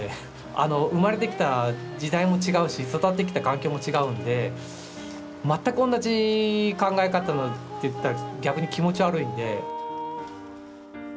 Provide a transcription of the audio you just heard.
あの生まれてきた時代も違うし育ってきた環境も違うんで全く同じ考え方っていったら逆に気持ち悪いんで。